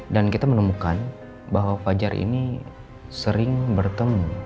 dan kita menemukan bahwa pajar ini sering bertemu